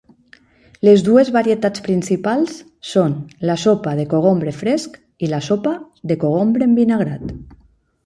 Les dues varietats principals són la sopa de cogombre fresc i la sopa de cogombre envinagrat.